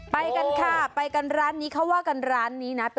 ไปกันค่ะไปกันร้านนี้เขาว่ากันร้านนี้นะ